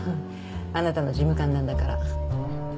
あなたの事務官なんだから。